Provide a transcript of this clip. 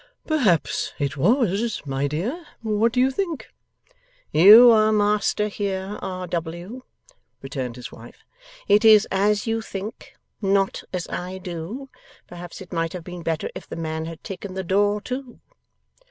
'Perhaps it was, my dear; what do you think?' 'You are master here, R. W.,' returned his wife. 'It is as you think; not as I do. Perhaps it might have been better if the man had taken the door too?